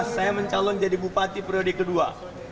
dua ribu lima belas saya mencalon jadi bupati proyek kedua